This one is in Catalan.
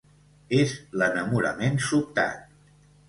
És l'enamorament sobtat.